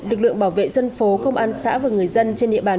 lực lượng bảo vệ dân phố công an xã và người dân trên địa bàn